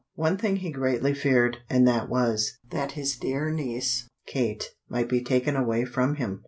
One thing he greatly feared, and that was, that his dear niece, Kate, might be taken away from him.